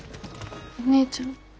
お姉ちゃん。